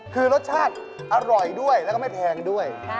คือรสชาติอร่อยด้วยแล้วก็ไม่แพงด้วย